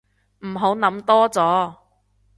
唔好諗多咗